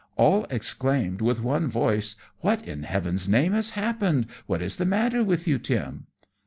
All exclaimed with one voice, "What in heaven's name has happened! What is the matter with you, Tim?"